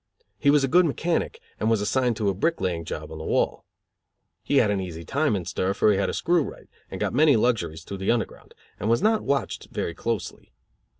He was a good mechanic and was assigned to a brick laying job on the wall. He had an easy time in stir, for he had a screw right, and got many luxuries through the Underground; and was not watched very closely.